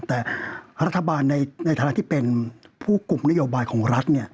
แต่รัฐบาลในฐานะที่เป็นผู้กลุ่มนโยบายของรัฐ